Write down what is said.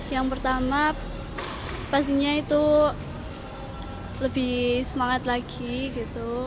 yang pertama pastinya itu lebih semangat lagi gitu